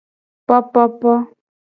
Popopo.